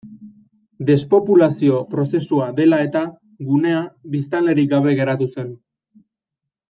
Despopulazio-prozesua dela-eta gunea biztanlerik gabe geratu zen.